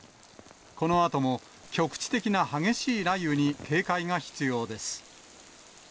このあとも局地的な激しい雷雨に警戒が必要です。